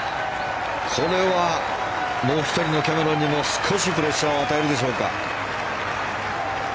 これはもう１人のキャメロンにも少しプレッシャーを与えるでしょうか。